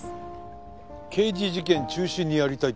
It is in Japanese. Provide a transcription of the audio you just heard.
刑事事件中心にやりたいって事か？